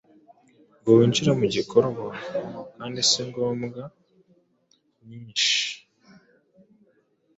ngo winjire mu gikorwa, kandi si ngombwa myinshi,